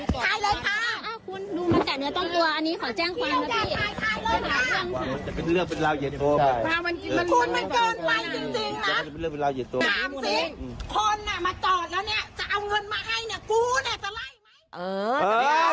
กูเนี่ยจะไล่ไหม